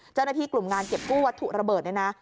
เจ้าหน้าที่กลุ่มงานเก็บกู้วัตถุระเบิดเนี่ยนะ